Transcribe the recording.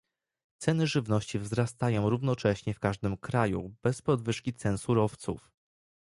Ceny żywności wzrastają równocześnie w każdym kraju bez podwyżki cen surowców